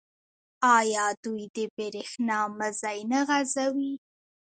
آیا دوی د بریښنا مزي نه غځوي؟